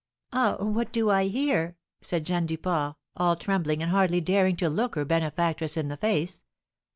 "Ah, what do I hear?" said Jeanne Duport, all trembling and hardly daring to look her benefactress in the face.